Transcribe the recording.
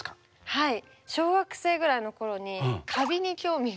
はい。